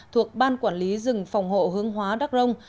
thuộc ban quản lý rừng phòng hộ hướng hóa đắc rông